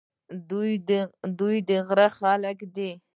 دوی د غره خلک دي.